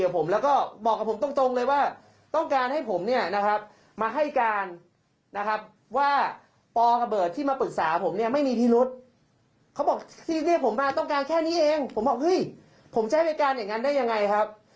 ผมบอกเฮ้ยผมจะให้ไปการอย่างนั้นได้ยังไงครับ